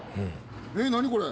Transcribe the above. えっ何これ。